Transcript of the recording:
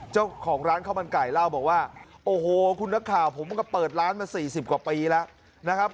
เจ้าของร้านข้าวมันไก่เล่าบอกว่าโอ้โหคุณนักข่าวผมก็เปิดร้านมา๔๐กว่าปีแล้วนะครับ